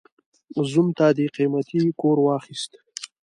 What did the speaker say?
زوم ته دې قيمتي کور واخيست.